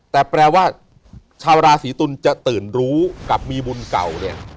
แต่แปลว่าชาวราศีตุลจะตื่นรู้กับมีบุญเก่าเนี่ย